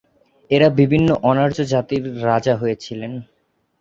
এঁরা বিভিন্ন অনার্য জাতির রাজা হয়েছিলেন।